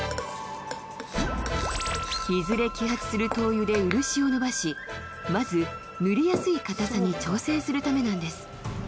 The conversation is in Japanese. いずれ揮発する灯油で漆をのばしまず塗りやすい硬さに調整するためなんです